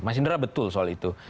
mas indra betul soal itu